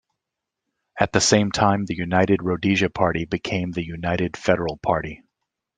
At the same time the United Rhodesia Party became the United Federal Party.